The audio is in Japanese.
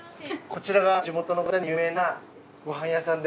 こちらが地元の方に有名なご飯屋さんで？